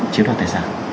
chiếm đoạt tài sản